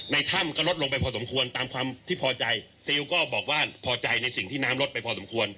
ถ้ำก็ลดลงไปพอสมควรตามความที่พอใจซิลก็บอกว่าพอใจในสิ่งที่น้ำลดไปพอสมควร